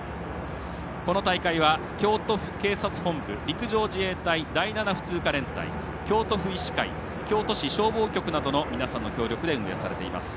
この大会は、京都府警察本部陸上自衛隊第７普通科連隊京都府医師会京都市消防局などの皆さんの協力で運営されています。